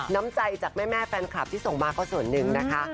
น้ำใจจากแม่แฟนคลับที่ส่งมาก็ส่วนหนึ่งนะคะ